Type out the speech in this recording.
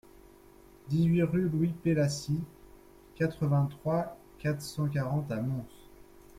dix-huit rue Louis Pélassy, quatre-vingt-trois, quatre cent quarante à Mons